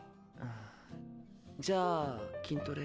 んじゃあ筋トレ。